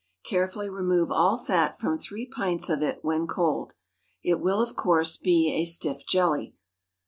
Carefully remove all fat from three pints of it when cold. It will, of course, be a stiff jelly.